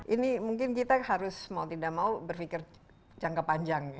ini mungkin kita harus mau tidak mau berpikir jangka panjang